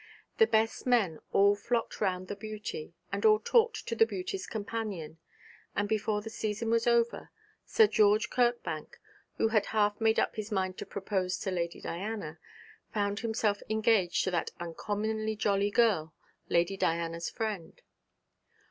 The best men all flocked round the beauty, and all talked to the beauty's companion: and before the season was over, Sir George Kirkbank, who had half made up his mind to propose to Lady Diana, found himself engaged to that uncommonly jolly girl, Lady Diana's friend.